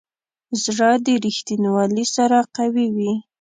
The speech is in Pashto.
زړه د ریښتینولي سره قوي وي.